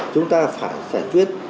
chúng ta phải phản quyết